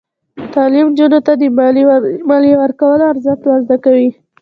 تعلیم نجونو ته د مالیې ورکولو ارزښت ور زده کوي.